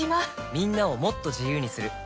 みんなをもっと自由にする「三菱冷蔵庫」